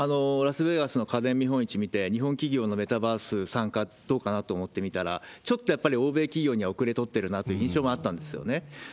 ラスベガスの家電見本市見て、日本企業のメタバース参加どうかなと思って見たら、ちょっとやっぱり欧米企業には後れ取ってるなって印象もあったんですよね。